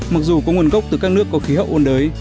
mặc dù có nguồn gốc từ các nước có khí hậu ôn đới